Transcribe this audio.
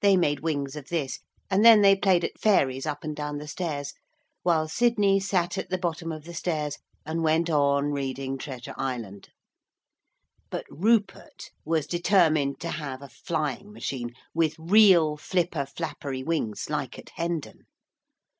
They made wings of this, and then they played at fairies up and down the stairs, while Sidney sat at the bottom of the stairs and went on reading Treasure Island. But Rupert was determined to have a flying machine, with real flipper flappery wings, like at Hendon.